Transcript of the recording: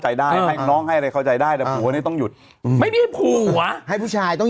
ให้ร้องให้อะไรเข้าใจได้แต่ส่วนต้องหยุดไม่ได้ผูกว่าให้ผู้ชายต้อง